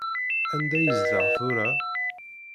Anda i yezdeɣ tura?